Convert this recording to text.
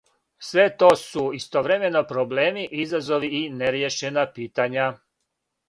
Све то су истовремено проблеми, изазови и неријешена питања.